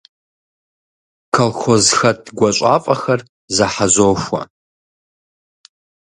Колхозхэт гуащӀафӀэхэр зохьэзохуэ.